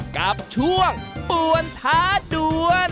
กับช่วงป่วนท้าด่วน